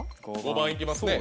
５番行きますね